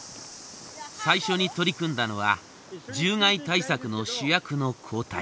最初に取り組んだのは獣害対策の主役の交代。